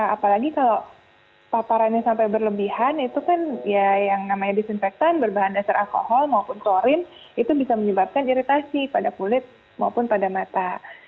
apalagi kalau paparannya sampai berlebihan itu kan ya yang namanya disinfektan berbahan dasar alkohol maupun klorin itu bisa menyebabkan iritasi pada kulit maupun pada mata